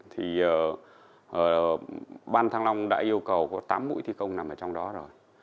thì ban thăng long đã yêu cầu có tám mũi thi công nằm ở trong đó rồi